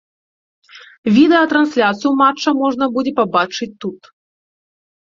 Відэатрансляцыю матча можна будзе пабачыць тут.